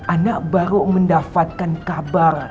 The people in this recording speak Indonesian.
anak baru mendapatkan kabar